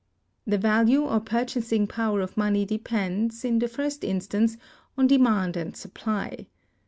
The value or purchasing power of money depends, in the first instance, on demand and supply.